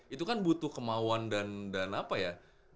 itu kan butuh kemauan dan apa ya